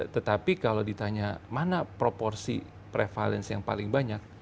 tetapi kalau ditanya mana proporsi prevalence yang paling banyak